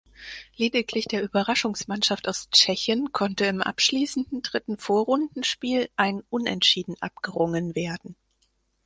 Lediglich der Überraschungsmannschaft aus Tschechien konnte im abschließenden dritten Vorrundenspiel ein Unentschieden abgerungen werden.